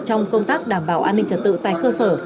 trong công tác đảm bảo an ninh trật tự tại cơ sở